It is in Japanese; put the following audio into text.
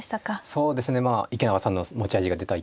そうですねまあ池永さんの持ち味が出た一局に。